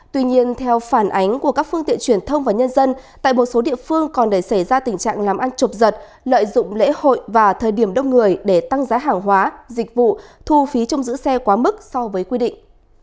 tuy nhiên theo phản ánh của các phương tiện truyền thông và nhân dân tại một số địa phương còn để xảy ra tình trạng làm ăn trộm giật lợi dụng lễ hội và thời điểm đông người để tăng giá hàng hóa dịch vụ thu phí trong giữ xe quá mức so với quy định